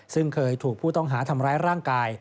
ซึ่งเคยถูกผู้ต้องหาทำร้ายร่างกาย